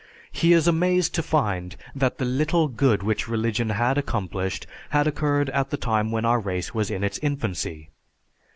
He is amazed to find that the little good which religion had accomplished, had occurred at the time when our race was in its infancy.